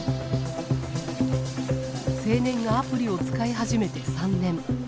青年がアプリを使い始めて３年。